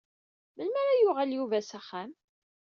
Melmi ara yuɣal Yuba s axxam?